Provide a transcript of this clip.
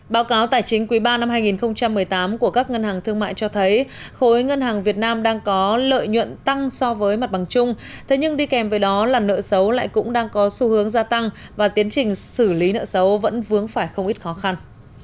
báo cáo tài chính quý ba năm hai nghìn một mươi tám của các ngân hàng thương mại cho thấy khối ngân hàng việt nam đang có lợi nhuận tăng so với mặt bằng chung thế nhưng đi kèm với đó là nợ xấu lại cũng đang có xu hướng gia tăng và tiến trình xử lý nợ xấu vẫn vướng phải không ít khó khăn